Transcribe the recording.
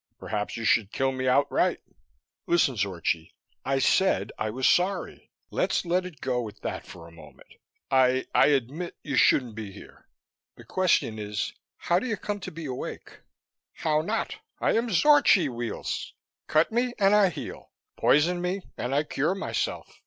Perhaps you should kill me outright." "Listen, Zorchi, I said I was sorry. Let's let it go at that for a moment. I I admit you shouldn't be here. The question is, how do you come to be awake?" "How not? I am Zorchi, Weels. Cut me and I heal; poison me and I cure myself."